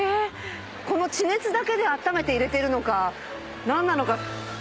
この地熱だけで温めて入れてるのか何なのか。